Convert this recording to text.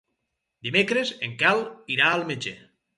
Dimecres en Quel irà al metge.